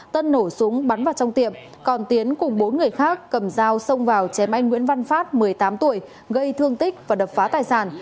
tân nổ súng bắn vào trong tiệm còn tiến cùng bốn người khác cầm dao xông vào chém anh nguyễn văn phát một mươi tám tuổi gây thương tích và đập phá tài sản